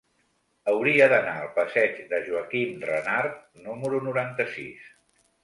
Hauria d'anar al passeig de Joaquim Renart número noranta-sis.